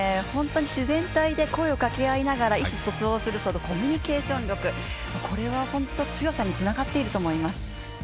本当に自然体で声をかけながら意思疎通をするコミュニケーション力、これは本当強さにつながっていると思います。